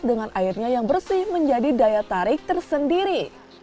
dengan airnya yang bersih menjadi daya tarik tersendiri